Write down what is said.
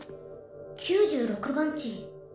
９６番地。